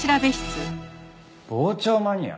傍聴マニア？